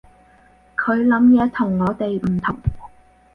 佢諗嘢同我哋唔同